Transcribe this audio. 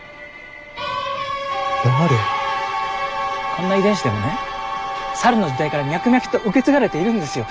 こんな遺伝子でもねサルの時代から脈々と受け継がれているんですよ。